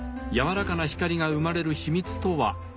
やわらかな光が生まれる秘密とは？